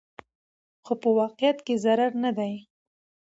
خو په واقعيت کې ضرور نه ده